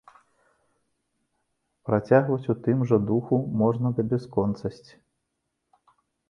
Працягваць у тым жа духу можна да бясконцасці.